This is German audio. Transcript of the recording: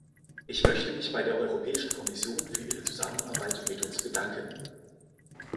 Ich möchte mich bei der Europäischen Kommission für Ihre Zusammenarbeit mit uns bedanken.